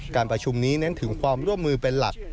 การประชุมนี้เน้นถึงความร่วมมือเป็นหลัก